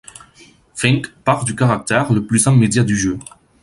Fink part du caractère le plus immédiat du jeu.